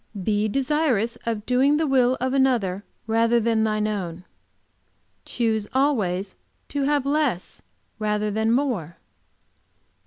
"Be desirous of doing the will of another rather than thine own." "Choose always to have less, rather than more."